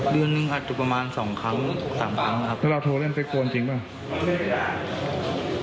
เดือนนึงอาจจะประมาณสองครั้งสามครั้งครับแล้วเราโทรเล่นไปโกนจริงป่ะ